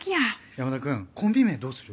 山田くんコンビ名どうする？